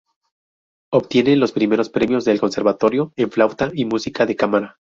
Obtiene los primeros premios del Conservatorio en flauta y música de cámara.